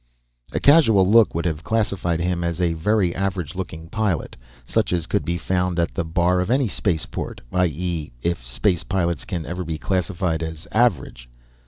A casual look would have classified him as a very average looking pilot such as could be found at the bar of any spaceport; i.e. if space pilots can ever be classified as average.